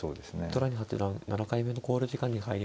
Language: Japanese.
糸谷八段７回目の考慮時間に入りました。